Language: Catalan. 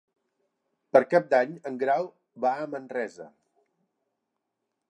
Per Cap d'Any en Grau va a Manresa.